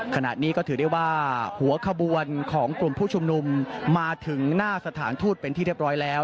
ขณะนี้ก็ถือได้ว่าหัวขบวนของกลุ่มผู้ชุมนุมมาถึงหน้าสถานทูตเป็นที่เรียบร้อยแล้ว